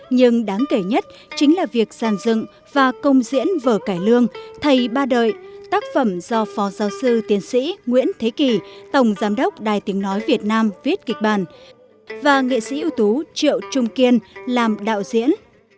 nhưng đáng kể nhất chính là việc sàn dựng và công diễn vở cải lương thầy ba đợi tác phẩm do phó giáo sư tiến sĩ nguyễn thế kỳ tổng giám đốc đài tiếng nói việt nam viết kịch bản và nghệ sĩ ưu tú triệu trung kiên làm đạo diễn